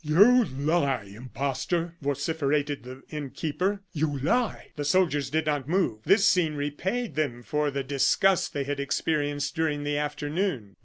"You lie, impostor!" vociferated the innkeeper; "you lie!" The soldiers did not move. This scene repaid them for the disgust they had experienced during the afternoon.